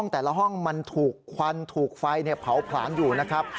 แต่ละห้องมันถูกควันถูกไฟเผาผลาญอยู่นะครับ